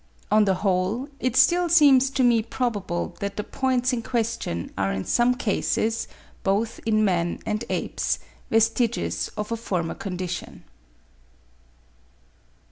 On the whole, it still seems to me probable that the points in question are in some cases, both in man and apes, vestiges of a former condition.